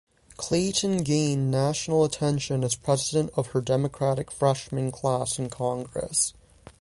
Clayton gained national attention as president of her Democratic freshman class in Congress.